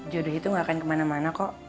jodoh itu gak akan kemana mana kok